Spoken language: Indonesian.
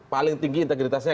paling tinggi integritasnya